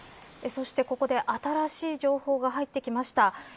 そして、ここで新しい情報が入ってきました。